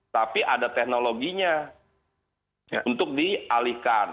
tapi ada teknologinya untuk dialihkan